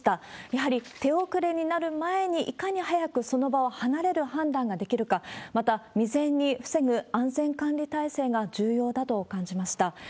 やはり手遅れになる前に、いかに早くその場を離れる判断ができるか、また、未然に防ぐ安全管理体制が重要だと感じました。